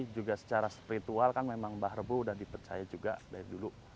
juga secara spiritual kan memang mbah rebo udah dipercaya juga dari dulu